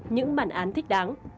những bản án thích đáng